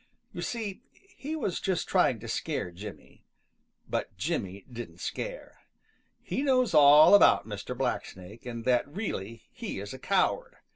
You see, he was just trying to scare Jimmy. But Jimmy didn't scare. He knows all about Mr. Blacksnake and that really he is a coward.